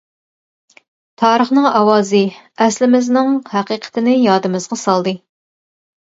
تارىخنىڭ ئاۋازى ئەسلىمىزنىڭ ھەقىقىتىنى يادىمىزغا سالدى.